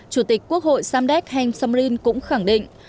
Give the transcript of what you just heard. chủ tịch quốc hội samdek heng samrin cũng khẳng định